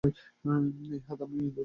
এই হাতে আমি ইঁদুর ধরেছি।